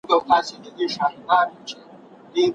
زه همدا اوس له خپلي وروستۍ تېروتني څخه زده کړه کوم.